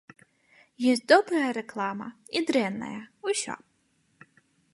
Ёсць добрая рэклама і дрэнная, усё.